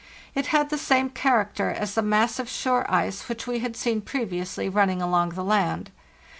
It had the same character as the massive shore ice which we had seen previously running along the land.